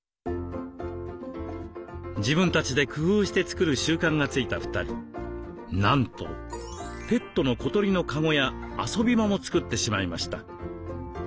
自分たちで工夫して作る習慣がついた２人なんとペットの小鳥のかごや遊び場も作ってしまいました。